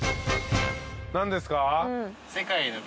何ですか？